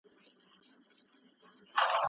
د هغوی د لیدو توان مو شته؟